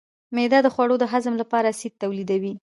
معده د خوړو د هضم لپاره اسید تولیدوي.